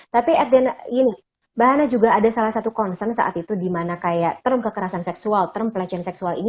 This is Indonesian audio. tapi at the end ini bahannya juga ada salah satu concern saat itu di mana kayak term kekerasan seksual term pelecehan seksual ini